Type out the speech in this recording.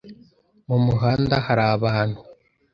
Mu muhanda hari abantu.